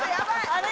あれ？